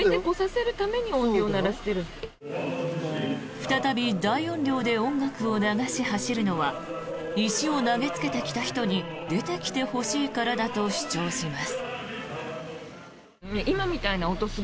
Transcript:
再び、大音量で音楽を流し走るのは石を投げつけてきた人に出てきてほしいからだと主張します。